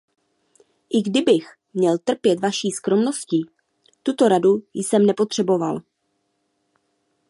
I kdybych měl trpět vaší skromností, tuto radu jsem nepotřeboval.